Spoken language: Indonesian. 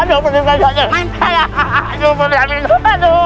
aduh aduh aduh